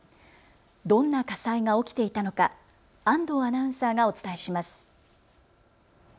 どんな火災が起きていたのか安藤アナウンサーがお伝えします。